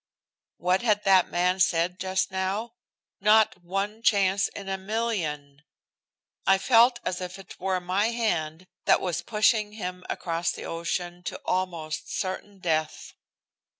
What had that man said just now? Not one chance in a million! I felt as if it were my hand that was pushing him across the ocean to almost certain death.